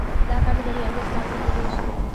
دا کار د بریالیتوب لامل کېدای شي.